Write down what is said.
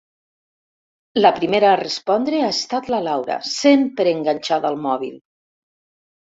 La primera a respondre ha estat la Laura, sempre enganxada al mòbil.